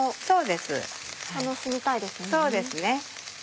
そうですね。